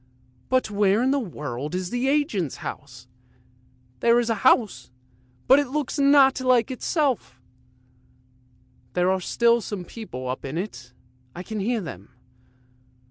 But where in the world is the agent's house? There is a house, but it's not like itself! There are still some people up in it, I can hear them.